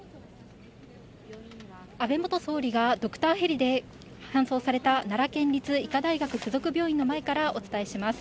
安倍元総理がドクターヘリで搬送された奈良県立医科大学附属病院の前からお伝えします。